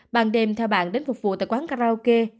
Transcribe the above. ban đêm theo bạn đến phục vụ tại quán karaoke